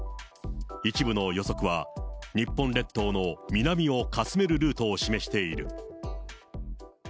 一部の予測は、日本列島の南をかすめるルートを示している。